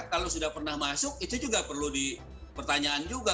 kalau sudah pernah masuk itu juga perlu dipertanyakan juga